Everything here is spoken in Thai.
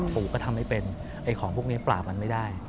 ปู่ก็ทำไม่เป็นไอ้ของพวกนี้ปราบมันไม่ได้